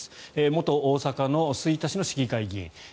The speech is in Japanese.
元大阪・吹田市の市議会議員。